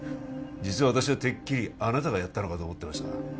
実は私はてっきりあなたがやったのかと思ってました